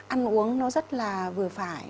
ăn uống nó rất là vừa phải